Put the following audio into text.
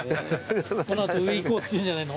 この後上行こうって言うんじゃないの？